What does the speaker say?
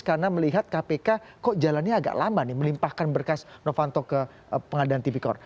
karena melihat kpk kok jalannya agak lama melimpahkan berkas novanto ke pengadilan tvkor